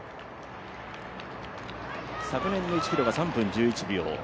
昨年の１ｋｍが３分１１秒。